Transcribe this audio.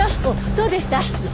どうでした？